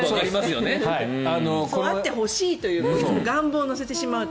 そうあってほしいという願望を乗せてしまうと。